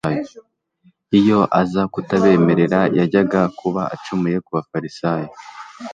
Iyo aza kutabemerera, yajyaga kuba acumuye ku bafarisayo.